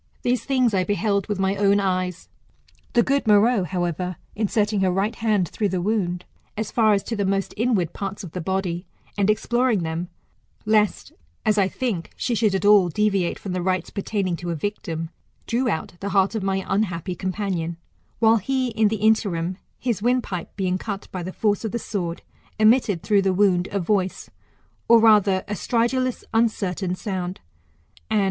These things I beheld with my own eyes. The good Meroe, however, inserting her right hand through the wound, as far as the mqst inward parts of the body, and exploring them; lest (as I think) she should at all deviate from the rites pertaining to a victim ; drew out the he^rt of my unhappy companion; while he in the interim, his windpipe being cut by the force of the sword, emitted through the wound a voice, or rather a stridulous uncertain sound, and, with the 12 i.